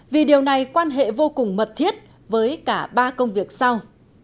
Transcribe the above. vì điều này quan hệ vô cùng mật thiết với cả ba công việc sau